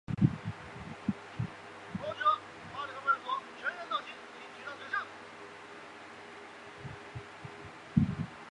但如果生活方式改变没有起效或效用不佳则这些患者常需要使用药物治疗。